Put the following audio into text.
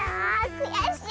くやしい！